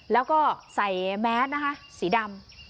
แล้วก็ใส่แมสนะคะสีดำ